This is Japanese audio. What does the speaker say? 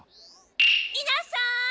みなさん！